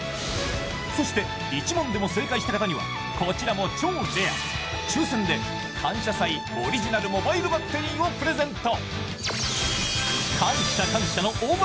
そして１問でも正解した方には、こちらも超レア、抽選で「感謝祭」オリジナルモバイルバッテリーをプレゼント。